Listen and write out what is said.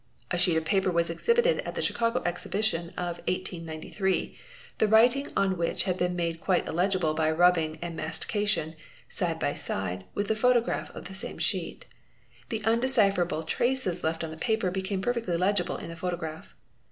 A sheet of paper was exhibited at the Chicago Exhibition of 1893, | the writing on which had been made quite illegible by rubbing and | mastication, side by side with the photograph of the same sheet. T he undecipherable traces left on the paper became perfectly legible in the photograph.